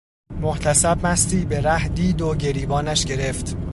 محتسب مستی به ره دید و گریبانش گرفت